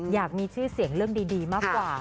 อยากมีชื่อเสียงเรื่องดีมากกว่า